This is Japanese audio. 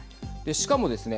しかもですね